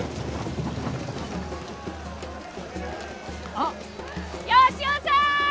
あっ吉雄さん！